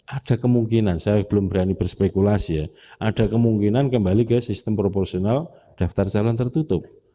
ada kemungkinan saya belum berani berspekulasi ya ada kemungkinan kembali ke sistem proporsional daftar calon tertutup